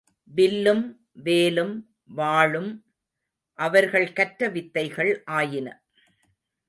வில்லும் வேலும் வாளும் அவர்கள் கற்ற வித்தைகள் ஆயின.